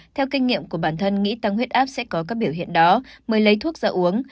theo kinh nghiệm của bản thân nghĩ tăng huyết áp sẽ có các biểu hiện đó mới lấy thuốc ra uống